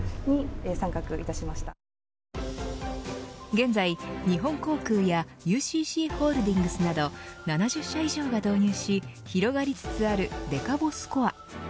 現在、日本航空やＵＣＣホールディングスなど７０社以上が導入し広がりつつあるデカボスコア。